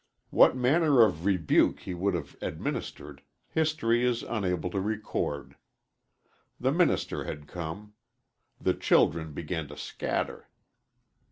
What manner of rebuke he would have administered, history is unable to record. The minister had come. The children began to scatter.